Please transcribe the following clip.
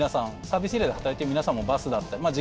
サービスエリアで働いている皆さんもバスだったりまあ